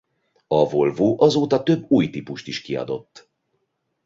A Volvo azóta több új típust is kiadott.